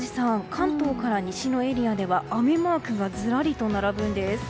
関東から西のエリアでは雨マークがずらりと並ぶんです。